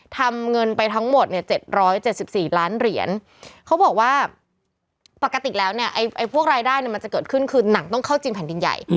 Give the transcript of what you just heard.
ทำเงินไปทั้งหมดเนี่ย๗๗๔ล้านเหรียญเขาบอกว่าปกติแล้วเนี่ยไอ้พวกรายได้มันจะเกิดขึ้นคือหนังต้องเข้าจีนแผ่นดินใหญ่